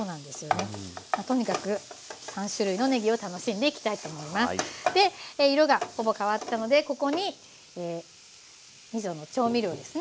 で色がほぼ変わったのでここにみその調味料ですね。